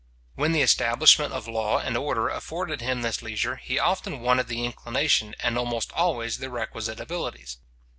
When the establishment of law and order afforded him this leisure, he often wanted the inclination, and almost always the requisite abilities.